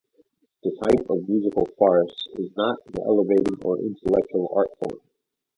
This type of musical farce is not an elevating or intellectual artform.